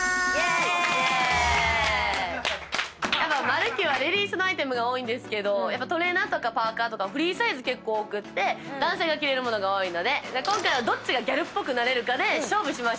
マルキューはレディースのアイテムが多いんですけどトレーナーとかパーカとかフリーサイズ結構多くて男性が着れる物が多いので今回はどっちがギャルっぽくなれるかで勝負しましょうという企画です。